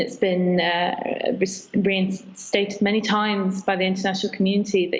diperlukan banyak kali oleh komunitas internasional bahwa